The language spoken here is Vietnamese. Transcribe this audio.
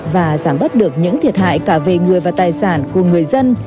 và giảm bớt được những thiệt hại cả về người và tài sản của người dân